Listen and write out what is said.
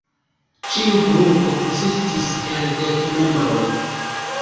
Ĉiu grupo konsistis el dek membroj.